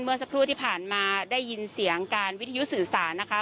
เมื่อสักครู่ที่ผ่านมาได้ยินเสียงการวิทยุสื่อสารนะคะ